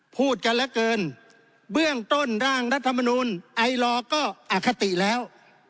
พูดกันเหลือเกินเบื้องต้นร่างรัฐมนูลไอลอร์ก็อคติแล้ว